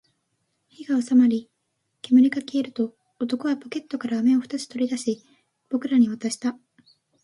火が収まり、煙が消えると、男はポケットから飴を二つ取り出し、僕らに渡した